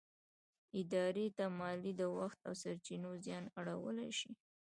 ادارې ته مالي، د وخت او سرچينو زیان اړولی شي.